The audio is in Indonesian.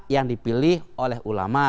yang dipilih oleh ulama